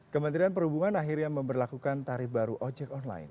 kementerian perhubungan akhirnya memperlakukan tarif baru ojek online